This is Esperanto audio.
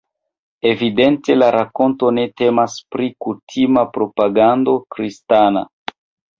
Evidente, la rakonto ne temas pri kutima propagando kristana.